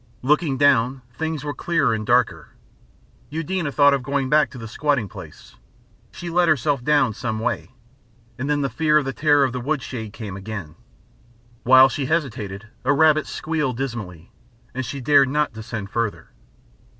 Looking down, things were clearer and darker. Eudena thought of going back to the squatting place; she let herself down some way, and then the fear of the Terror of the Woodshade came again. While she hesitated a rabbit squealed dismally, and she dared not descend farther.